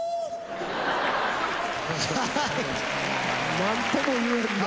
何とも言えんな。